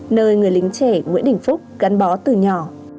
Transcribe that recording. nơi người lính trẻ nguyễn đình phúc gắn bó từ nhỏ